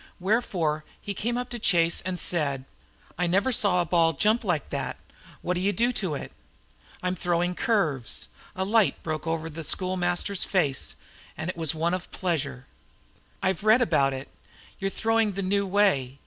Wherefore he came up to Chase and said: "I never saw a ball jump like that. What'd you do to it?" "I'm throwing curves." A light broke over the school master's face, and it was one of pleasure. "I've read about it. You are throwing the new way.